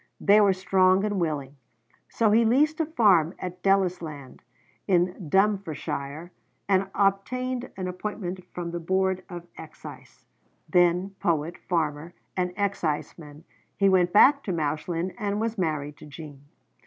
They were strong and willing. So he leased a farm at Ellisland in Dumfriesshire, and obtained an appointment from the Board of Excise: then, poet, farmer, and exciseman, he went back to Mauchline and was married to Jean.